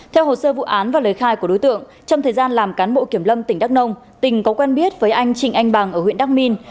theo hồ sơ vụ án và lời khai của đối tượng trong thời gian làm cán bộ kiểm lâm tỉnh đắk nông tình có quen biết với anh trịnh anh bằng ở huyện đắc minh